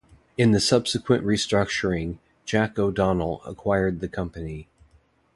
In the subsequent restructuring, Jack O'Donnell acquired the company.